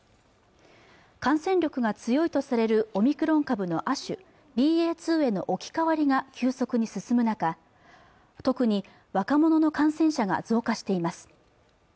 感染力が強いとされるオミクロン株の亜種ＢＡ．２への置き換わりが急速に進む中特に若者の感染者が増加しています